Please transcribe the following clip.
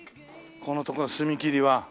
このところの隅切りは。